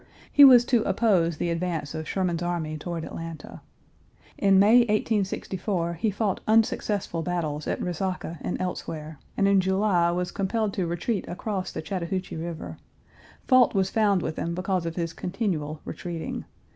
He was to oppose the advance of Sherman's army toward Atlanta. In May, 1864, he fought unsuccessful battles at Resaca and elsewhere, and in July was compelled to retreat across the Chattahoochee River. Fault was found with him because of his continual retreating.